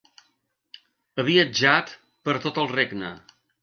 Ha viatjat per tot el regne.